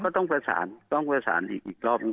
ก็ต้องประสานต้องประสานอีกรอบ